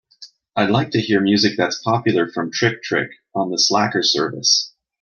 I'd like to hear music that's popular from Trick-trick on the Slacker service